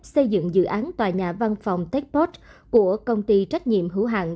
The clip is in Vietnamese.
xây dựng dự án tòa nhà văn phòng techot của công ty trách nhiệm hữu hạng